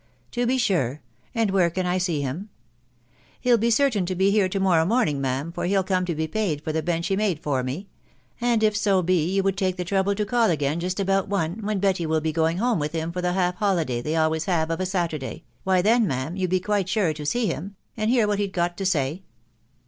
" To be sure ;.... and where can I see him ?"" He '11 be certain to be here to morrow morning, ma'am, for he'll come to be paid for the bench he made for me ; and if so be you would take the trouble to call again just about one, when Betty will be going home with him for the half holyday they always haves of a Saturday, why then, ma'am., you'd be quite sure to see him, and hear what he'd got to say.